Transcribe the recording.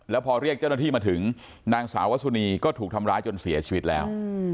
แล้วพอเรียกเจ้าหน้าที่มาถึงนางสาววสุนีก็ถูกทำร้ายจนเสียชีวิตแล้ว